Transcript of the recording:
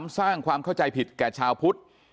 สร้างความเข้าใจผิดแก่ชาวพุทธ